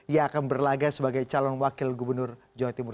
yang akan berlaga sebagai calon wakil gubernur jawa timur